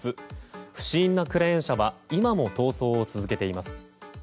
不審なクレーン車は今も逃走を続けています。